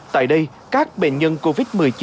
tại đây các bệnh nhân covid một mươi chín